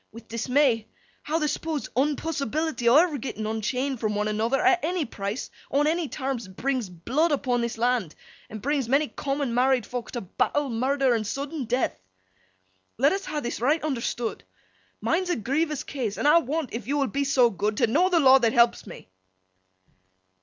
—with dismay—how th' supposed unpossibility o' ever getting unchained from one another, at any price, on any terms, brings blood upon this land, and brings many common married fok to battle, murder, and sudden death. Let us ha' this, right understood. Mine's a grievous case, an' I want—if yo will be so good—t' know the law that helps me.